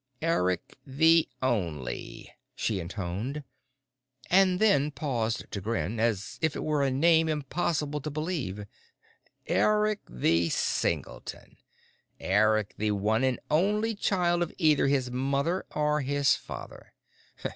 "Eric the Only," she intoned, and then paused to grin, as if it were a name impossible to believe, "Eric the Singleton, Eric the one and only child of either his mother or his father.